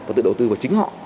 họ tự đầu tư vào chính họ